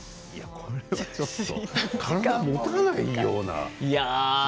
これはちょっと体がもたないような。